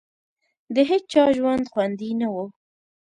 د هېچا ژوند خوندي نه وو.